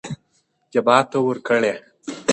جبار ته ورکړې.